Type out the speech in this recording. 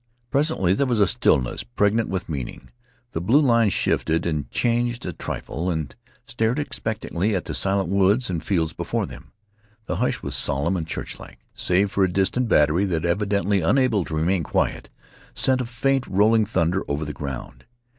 Presently there was a stillness, pregnant with meaning. The blue lines shifted and changed a trifle and stared expectantly at the silent woods and fields before them. The hush was solemn and churchlike, save for a distant battery that, evidently unable to remain quiet, sent a faint rolling thunder over the ground.